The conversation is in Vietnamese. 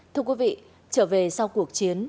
thưa quý vị trở về sau cuộc chiến